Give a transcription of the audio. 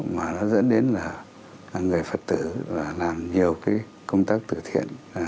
mà nó dẫn đến là người phật tử làm nhiều cái công tác tự thiện